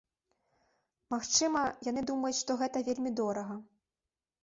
Магчыма, яны думаюць, што гэта вельмі дорага.